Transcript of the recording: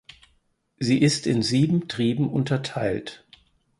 Sie ist in sieben Triben unterteilt.